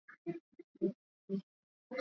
Mwongozo huu ni nakala inayoweza kuimarishwa